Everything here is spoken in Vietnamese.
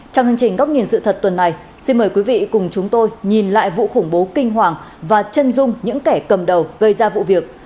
trong hành trình góc nhìn sự thật tuần này xin mời quý vị cùng chúng tôi nhìn lại vụ khủng bố kinh hoàng và chân dung những kẻ cầm đầu gây ra vụ việc